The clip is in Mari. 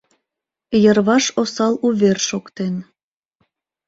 Йырваш осал увер шоктен.